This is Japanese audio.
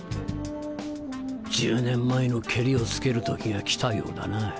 １０年前のけりをつける時が来たようだな。